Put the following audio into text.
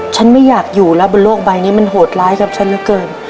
ฉันไม่อยากอยู่แล้วบนโลกใบนี้มันโหดร้ายกับฉันเหลือเกิน